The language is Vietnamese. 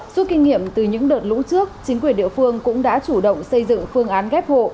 suốt kinh nghiệm từ những đợt lũ trước chính quyền địa phương cũng đã chủ động xây dựng phương án ghép hộ